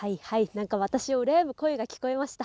何か私を羨む声が聞こえました。